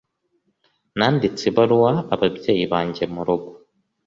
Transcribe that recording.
Nanditse ibaruwa ababyeyi banjye murugo.